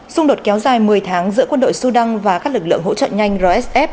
xung đột kéo dài một mươi tháng giữa quân đội sudan và các lực lượng hỗ trợ nhanh rsf